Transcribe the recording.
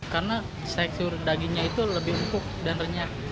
karena sayur dagingnya itu lebih sepupu dan renyah